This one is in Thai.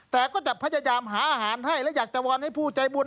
แต่ก็จะพยายามหาอาหารให้และอยากจะวอนให้ผู้ใจบุญ